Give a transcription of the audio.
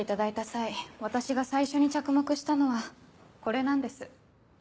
際私が最初に着目したのはこれなんです。